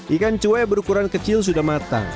ikan cuek berukuran kecil sudah matang